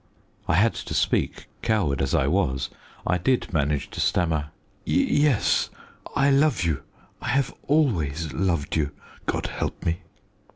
I had to speak. Coward as I was, I did manage to stammer "Yes; I love you. I have always loved you, God help me!"